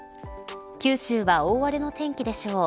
九州は大荒れの天気でしょう。